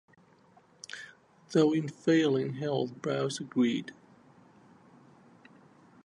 Though in failing health Browne agreed.